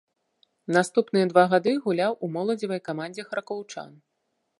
Наступныя два гады гуляў у моладзевай камандзе харкаўчан.